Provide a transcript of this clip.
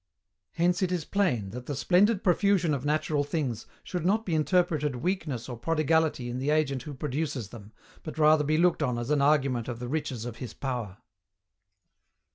Hence, it is plain that the splendid profusion of natural things should not be interpreted weakness or prodigality in the agent who produces them, but rather be looked on as an argument of the riches of His power.